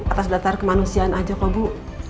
atas dasar kemanusiaan aja kok bu